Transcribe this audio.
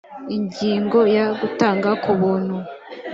ingingo ya gutanga ku buntu